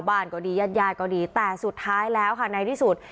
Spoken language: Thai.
บ้านก็ดีญาติญาติก็ดีแต่สุดท้ายแล้วค่ะในที่สุด